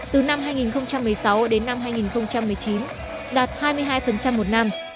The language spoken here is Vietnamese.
từ năm hai nghìn một mươi sáu đến năm hai nghìn một mươi chín đạt hai mươi hai một năm